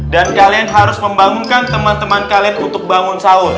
dan kalian harus membangunkan teman teman kalian untuk bangun sahur